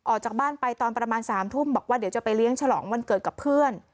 ออกจากบ้านไปตอนประมาณ๓ทุ่มบอกว่าเดี๋ยวจะไปเลี้ยงฉลองวันเกิดกับเพื่อน